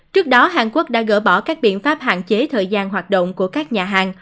trước đó hàn quốc đã gỡ bỏ các biện pháp hạn chế thời gian hoạt động của các nhà hàng